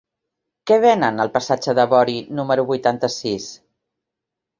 Què venen al passatge de Bori número vuitanta-sis?